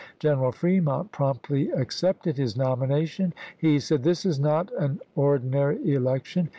General Fremont promptly ac cepted his nomination. He said: "This is not an June4,i864. ordinary election.